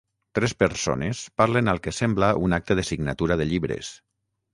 Tres persones parlen al que sembla un acte de signatura de llibres.